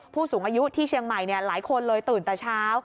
ผู้สูงอายุที่เชียงใหม่หลายคนเลยตื่นแต่เช้า